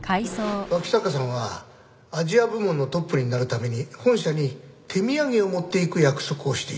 脇坂さんはアジア部門のトップになるために本社に手土産を持っていく約束をしていたんです。